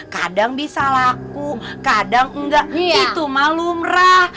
kadang bisa laku kadang enggak itu malu merah